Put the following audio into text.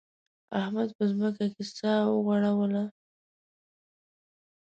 احمد په ځمکه کې سا وغوړوله.